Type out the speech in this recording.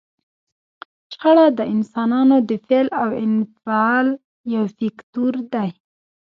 شخړه د انسانانو د فعل او انفعال یو فکتور دی.